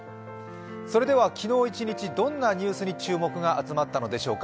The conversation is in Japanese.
それでは昨日一日、どんなニュースに注目が集まったのでしょうか。